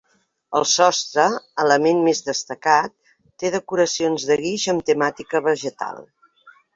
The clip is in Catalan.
El sostre, element més destacat, té decoracions de guix amb temàtica vegetal.